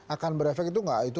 akan berefek itu gak